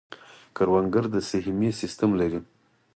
کروندګر د سهمیې سیستم لري.